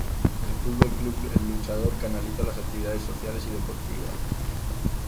El Football Club El Luchador canaliza la actividades sociales y deportivas.